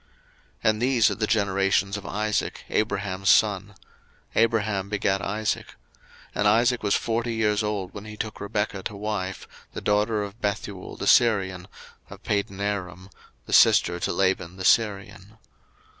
01:025:019 And these are the generations of Isaac, Abraham's son: Abraham begat Isaac: 01:025:020 And Isaac was forty years old when he took Rebekah to wife, the daughter of Bethuel the Syrian of Padanaram, the sister to Laban the Syrian.